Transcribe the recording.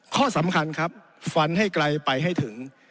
ข้อสำคัญครับฟันให้ไกลไปให้ถึง